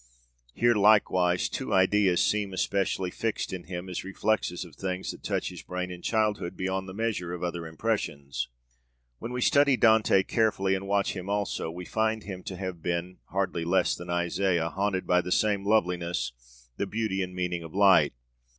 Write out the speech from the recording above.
Here, likewise, 'two ideas' seem 'especially fixed in him as reflexes of things that touched his brain in childhood beyond the measure of other impressions.' When we study Dante carefully and watch with him also, we find him to have been, hardly less than Isaiah, haunted by the same loveliness, the beauty and meaning of light.